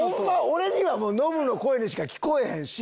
俺にはノブの声にしか聞こえへんし。